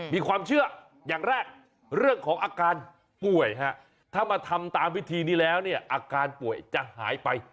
มีความเชื่ออย่างแรกเรื่องของอาการป่วยถ้ามาทำตามวิธีนี้แล้วเนี่ยอาการป่วยจะหายไป